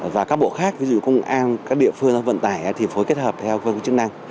và các bộ khác ví dụ công an các địa phương các vận tải thì phối kết hợp theo các chức năng